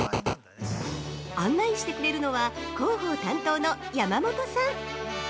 案内してくれるのは、広報担当の山本さん。